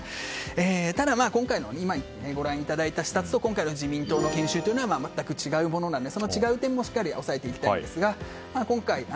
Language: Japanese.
ただ、今回の今ご覧いただいた視察と今回の自民党の視察は全く違うものなのでその違う点をしっかり押さえていきたいんです。